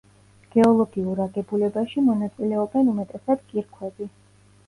გეოლოგიურ აგებულებაში მონაწილეობენ უმეტესად კირქვები.